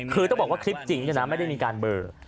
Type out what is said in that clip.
คือต้องบอกว่าคลิปจริงไม่ได้มีการเบอร์